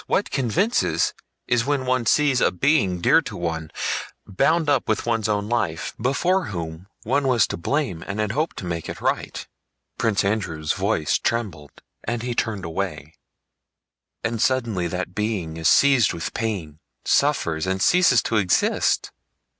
What convinces is when one sees a being dear to one, bound up with one's own life, before whom one was to blame and had hoped to make it right" (Prince Andrew's voice trembled and he turned away), "and suddenly that being is seized with pain, suffers, and ceases to exist....